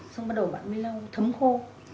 xong bắt đầu bạn mới lau thấm khô